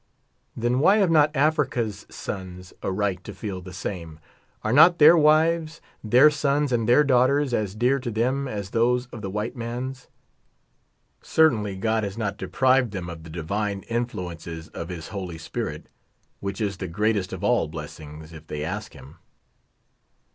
Then why have not Afric's sons a right to feel the same^^ Are not their wives, their sons, and their daughters as dear to them as those of the white man's ? Certainl}' God has not deprived them of the divine influences of his# Holy Spirit, which is the greatest of all blessings, if they ask him.